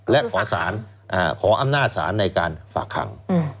และขออำนาจศาลในการฝากคัง